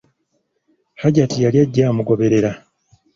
Hajjati yali ajja amugoberera.